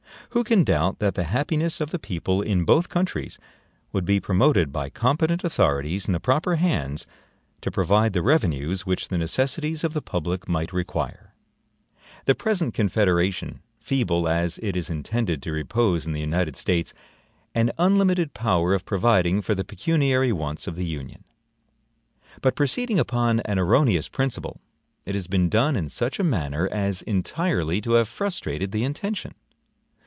Who can doubt, that the happiness of the people in both countries would be promoted by competent authorities in the proper hands, to provide the revenues which the necessities of the public might require? The present Confederation, feeble as it is intended to repose in the United States, an unlimited power of providing for the pecuniary wants of the Union. But proceeding upon an erroneous principle, it has been done in such a manner as entirely to have frustrated the intention.